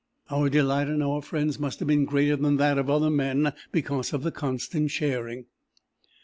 Our delight in our friends must have been greater than that of other men, because of the constant sharing.